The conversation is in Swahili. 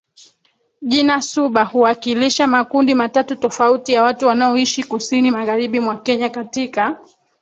Jina Suba huwakilisha makundi matatu tofauti ya watu wanaoishi Kusini Magharibi mwa Kenya katika